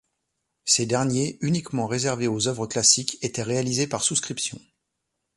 Ces derniers, uniquement réservés aux œuvres classiques, étaient réalisés par souscription.